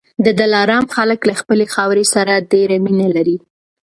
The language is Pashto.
د دلارام خلک له خپلي خاورې سره ډېره مینه لري